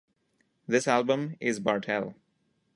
This album is "Bartell".